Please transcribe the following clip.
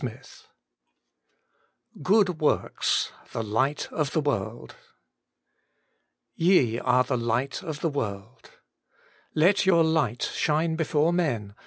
II 6oob Morfts tbe %\Qht ot tbe Morlb * Ye are the light of the world. Let your light shine before men.